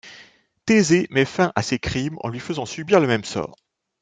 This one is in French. Thésée met fin à ces crimes en lui faisant subir le même sort.